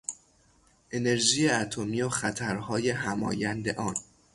انرژی اتمی و خطرهای همایند آن